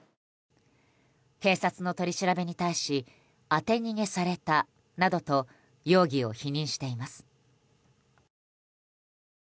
警察の取り調べに対し当て逃げされたなどと容疑を否認しています。